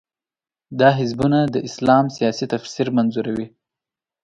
دا حزبونه د اسلام سیاسي تفسیر منظوروي.